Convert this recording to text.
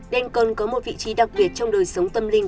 đền cơn có một vị trí đặc biệt trong đời sống tâm linh